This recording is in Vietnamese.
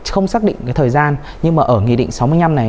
không xác định cái thời gian nhưng mà ở nghị định sáu mươi năm này